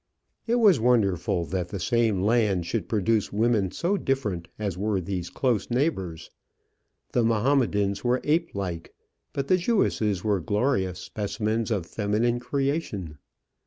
It was wonderful that the same land should produce women so different as were these close neighbours. The Mahomedans were ape like; but the Jewesses were glorious specimens of feminine creation.